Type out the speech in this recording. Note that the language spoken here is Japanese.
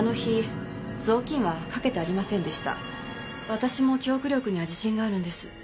私も記憶力には自信があるんです。